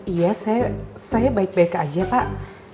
iya saya baik baik aja pak